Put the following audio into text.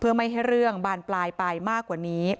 เพื่อไม่ให้เรื่องบานปลายไปมากกว่านี้